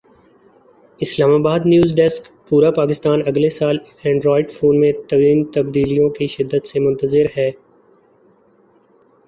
اسلام آبادنیو زڈیسکپورا پاکستان اگلے سال اینڈرائیڈ فون میں تین تبدیلیوں کی شدت سے منتظر ہے